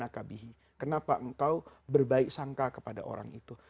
kenapa engkau berbaik sangka kepada orang itu